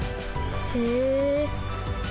へえ。